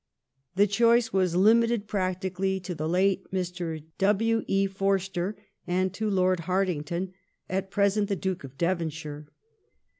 The choice was limited practically to the late Mr. W. E. Forster and to Lord Harting ton, at present the Duke of Devonshire.